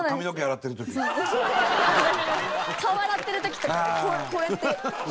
顔を洗ってる時とかこうやって。